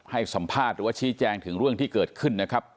ให้สัมภาษณ์หรือว่าชี้แจงถึงเรื่องที่เกิดขึ้นนะครับ